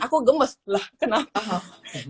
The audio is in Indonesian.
aku gemes lah kenapa